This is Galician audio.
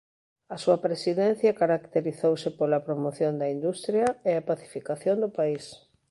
A súa presidencia caracterizouse pola promoción da industria e a pacificación do país.